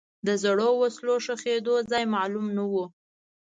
د زړو وسلو ښخېدو ځای معلوم نه و.